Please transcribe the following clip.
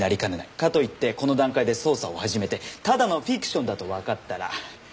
かといってこの段階で捜査を始めてただのフィクションだとわかったら。